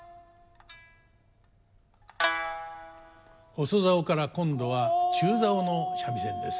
細棹から今度は中棹の三味線です。